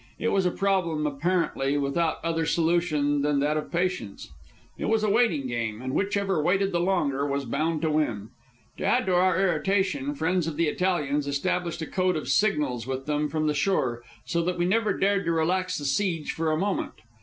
It was a problem apparently without other solution than that of patience. It was a waiting game, and whichever waited the longer was bound to win. To add to our irritation, friends of the Italians established a code of signals with them from the shore, so that we never dared relax the siege for a moment.